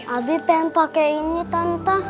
abi pengen pakai ini tante